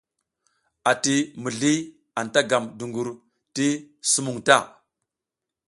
Ati mizliAnta gam dungur ti sumuŋ ta.